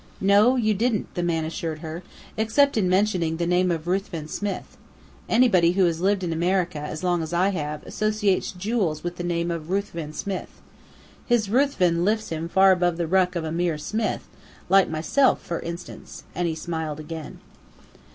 "No, you didn't," the man assured her, "except in mentioning the name of Ruthven Smith. Anybody who has lived in America as long as I have, associates jewels with the name of Ruthven Smith. His 'Ruthven' lifts him far above the ruck of a mere Smith like myself, for instance"; and he smiled again.